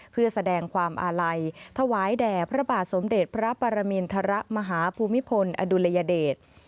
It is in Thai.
เพื่อแสดงความอาลัยถวายแด่พระบาทสมเด็จพระปรมินทรมาฮภูมิพลอดุลยเดช